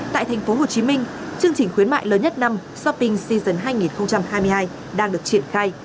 tại tp hcm chương trình khuyến mại lớn nhất năm shopping season hai nghìn hai mươi hai đang được triển khai